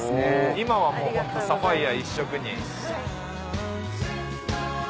今はもうホントサファイア１色に。